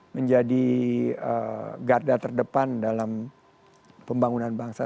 menjadi garda terdepan dalam pembangunan bangsa